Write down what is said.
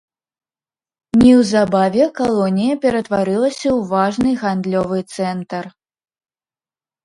Неўзабаве калонія ператварылася ў важны гандлёвы цэнтр.